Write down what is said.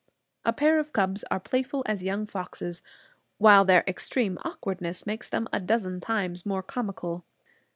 A pair of cubs are playful as young foxes, while their extreme awkwardness makes them a dozen times more comical.